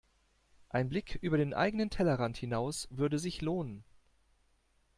Ein Blick über den eigenen Tellerrand hinaus würde sich lohnen.